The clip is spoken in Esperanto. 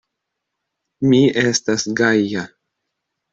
Mi estas gaja.